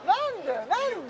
何で？